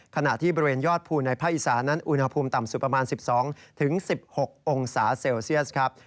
ขณะที่บริเวณยอดภูมิในภาคอีสานั้นอุณหภูมิต่ำสุดประมาณ๑๒๑๖องศาเซลเซียสครับ